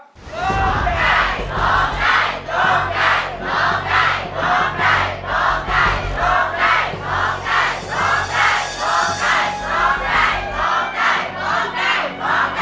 โปรดจงรักเขานาน